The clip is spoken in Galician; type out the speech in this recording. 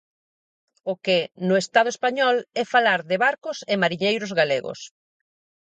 O que, no Estado español, é falar de barcos e mariñeiros galegos.